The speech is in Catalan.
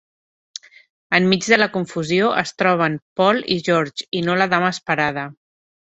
Enmig de la confusió, es troben Paul i Georges, i no la dama esperada.